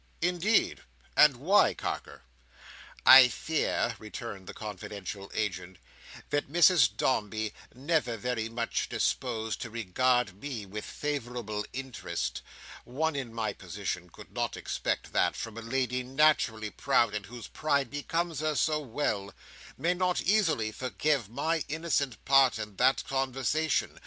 "Indeed! And why, Carker?" "I fear," returned the confidential agent, "that Mrs Dombey, never very much disposed to regard me with favourable interest—one in my position could not expect that, from a lady naturally proud, and whose pride becomes her so well—may not easily forgive my innocent part in that conversation.